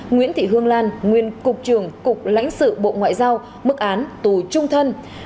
nguyễn thị hương lan nguyên cục trưởng cục lãnh sự bộ ngoại giao mức án tù trung thân